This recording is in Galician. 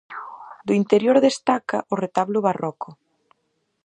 Do interior destaca o retablo barroco.